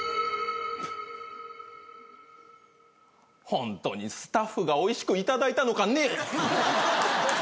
ホントにスタッフがおいしくいただいたのかね？